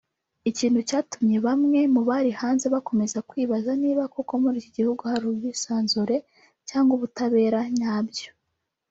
ikintu cyatumye bamwe mu bari hanze bakomeza kwibaza niba koko muri iki gihugu hari ubwisanzure cyangwa ubutabera nyabyo